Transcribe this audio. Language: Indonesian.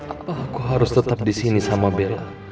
apa aku harus tetap di sini sama bella